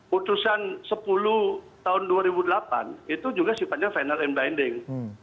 putusan sepuluh tahun dua ribu delapan itu juga sifatnya final and binding